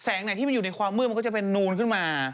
ไหนที่มันอยู่ในความมืดมันก็จะเป็นนูนขึ้นมา